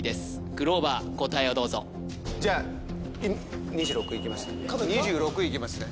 グローバー答えをどうぞじゃあ２６いきますね